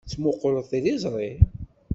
Tettmuqquleḍ tiliẓri?